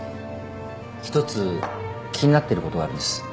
一つ気になっていることがあるんです。